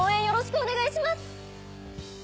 よろしくお願いします！